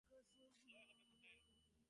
জয় হবে মোহের।